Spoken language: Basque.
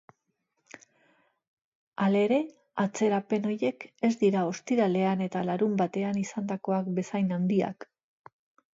Hala ere, atzerapen horiek ez dira ostiralean eta larunbatean izandakoak bezain handiak.